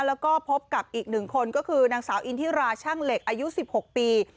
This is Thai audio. แล้วก็พบกับอีกหนึ่งคนก็คือนางสาวอินทิราชั่งเหล็กอายุ๑๖ปี